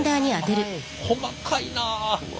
細かいなあ。